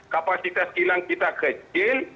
kapasitas kilang kita kecil